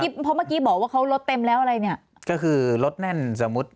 เพราะเมื่อกี้บอกว่าเขารถเต็มแล้วอะไรเนี่ยก็คือรถแน่นสมมุติ